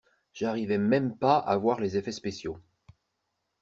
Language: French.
J'arrivais même pas à voir les effets spéciaux.